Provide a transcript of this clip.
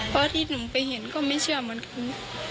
เพราะว่าที่หนูไปเห็นก็ไม่เชื่อเหมือนกัน